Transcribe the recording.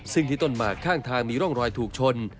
ซึ่งที่ต้นหมากข้างทางมีร่องรอยถูกชน